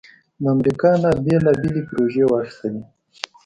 د امریکا نه بیلابیلې پروژې واخستلې